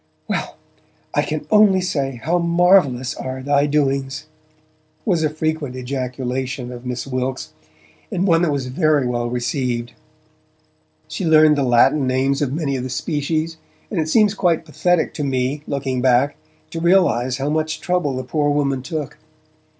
'Well, I can only say, how marvellous are Thy doings!' was a frequent ejaculation of Miss Wilkes, and one that was very well received. She learned the Latin names of many of the species, and it seems quite pathetic to me, looking back, to realize how much trouble the poor woman took.